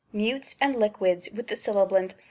Mutes and Liquids with the Sibilant a.